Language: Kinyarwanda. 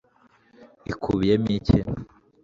ikubiyemo iki